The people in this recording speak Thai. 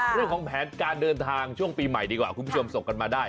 เรื่องของแผนการเดินทางช่วงปีใหม่ดีกว่าคุณผู้ชมส่งกันมาได้